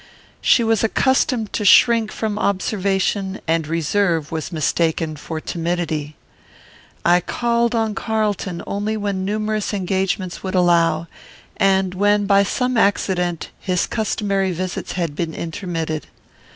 She was accustomed to shrink from observation, and reserve was mistaken for timidity. I called on Carlton only when numerous engagements would allow, and when, by some accident, his customary visits had been intermitted.